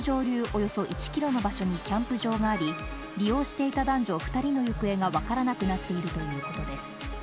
およそ１キロの場所にキャンプ場があり、利用していた男女２人の行方が分からなくなっているということです。